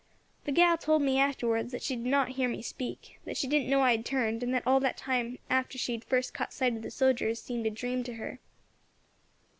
The gal told me afterwards that she did not hear me speak, that she didn't know I had turned, and that all that time after she had first caught sight of the sojers seemed a dream to her.